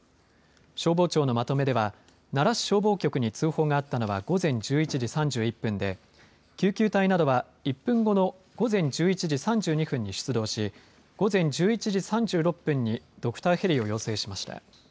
消防庁のまとめでは奈良市消防局に通報があったのは午前１１時３１分で救急隊などは１分後の午前１１時３２分に出動し午前１１時３６分にドクターヘリを要請しました。